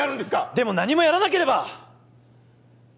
でも何もやらなければ！